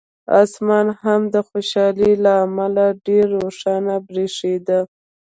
اسمان هم د خوشالۍ له امله ډېر روښانه برېښېده.